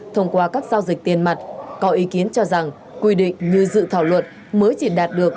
thông qua các giao dịch tiền mặt có ý kiến cho rằng quy định như dự thảo luật mới chỉ đạt được